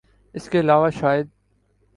اس کے علاوہ شاید آ